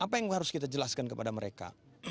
apa yang harus kita jelaskan kepada mereka